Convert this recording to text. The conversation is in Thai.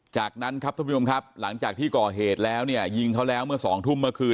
จากนั้นครับท่านผู้ชมครับหลังจากที่ก่อเหตุแล้วเนี่ยยิงเขาแล้วเมื่อสองทุ่มเมื่อคืน